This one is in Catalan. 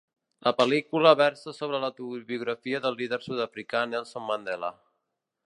La pel·lícula versa sobre l'autobiografia del líder sud-africà Nelson Mandela.